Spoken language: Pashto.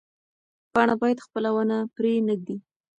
پاڼه باید خپله ونه پرې نه ږدي.